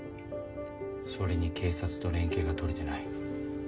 それに警察と連携が取れてない。